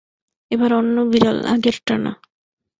এবার অন্য বিড়াল, আগেরটা না।